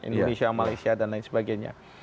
indonesia malaysia dan lain sebagainya